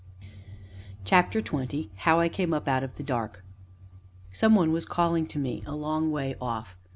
CHAPTER XX HOW I CAME UP OUT OF THE DARK Some one was calling to me, a long way off.